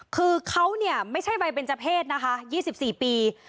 คือเขาเนี่ยไม่ใช่ไว้เป็นเจ้าเพศนะคะ๒๔ปี